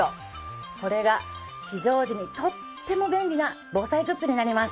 これが非常時にとっても便利な防災グッズになります。